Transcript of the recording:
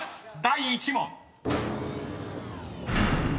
第１問］